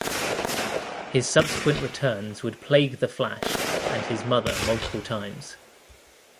His subsequent returns would plague the Flash and his mother multiple times.